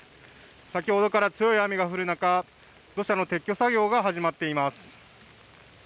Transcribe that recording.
先ほどから強い雨が降る中、土砂の撤去作業が始まっています。